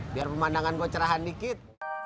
biar pemandangan gue cerahan dikit